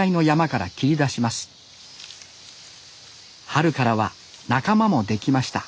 春からは仲間もできました